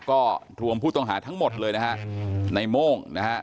ก็รวมผู้ต้องหาทั้งหมดเลยนะฮะในโม่งนะฮะ